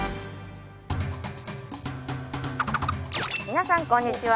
皆さんこんにちは